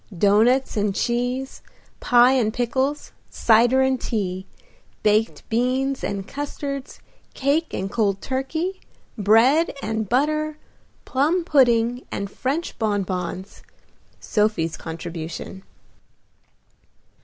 Doughnuts and cheese, pie and pickles, cider and tea, baked beans and custards, cake and cold turkey, bread and butter, plum pudding and French bonbons, Sophie's contribution.